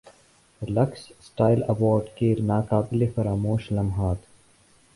looks style award کے ناقابل فراموش لمحات